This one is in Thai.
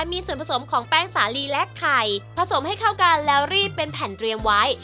มีส่วนผสมของแป้งสาลีและไข่ผสมให้เข้ากันแล้วรีบเป็นแผ่นเตรียมไว้